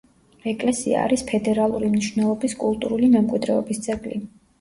ეკლესია არის ფედერალური მნიშვნელობის კულტურული მემკვიდრეობის ძეგლი.